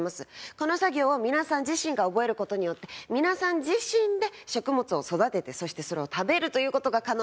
この作業を皆さん自身が覚える事によって皆さん自身で食物を育ててそしてそれを食べるという事が可能になります。